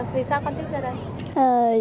vì sao con thích ra đây